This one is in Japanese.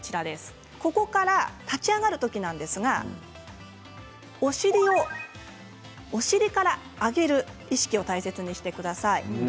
立ち上がる時なんですがお尻から上げる意識を大切にしてください。